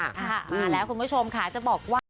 ค่ะมาแล้วคุณผู้ชมค่ะจะบอกว่า